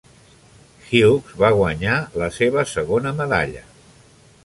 Hughes va guanyar la seva segona medalla.